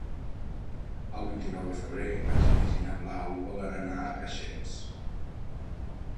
El vint-i-nou de febrer en Genís i na Blau volen anar a Preixens.